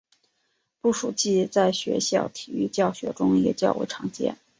步数计在学校体育教学中也较为常见。